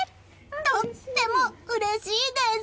とってもうれしいです！